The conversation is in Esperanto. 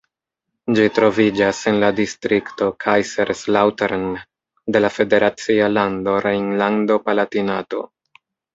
Ĝi troviĝas en la distrikto Kaiserslautern de la federacia lando Rejnlando-Palatinato.